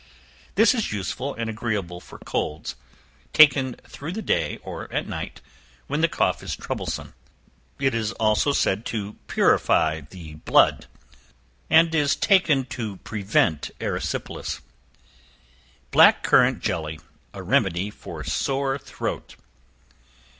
This is useful and agreeable for colds, taken through the day, or at night, when the cough is troublesome. It is said also to purify the blood, and is taken to prevent erysipelas. Black Currant Jelly, a Remedy for Sore Throat.